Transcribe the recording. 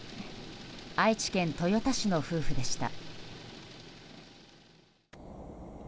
愛知県豊田市の夫婦でした。